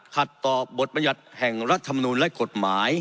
ขัดต่อบทบรรยัติแห่งรัฐมนูลและกฎหมาย